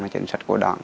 chính sách của đảng